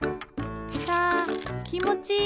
サきもちいい！